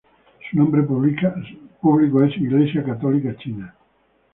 Su nombre público es Iglesia Católica China.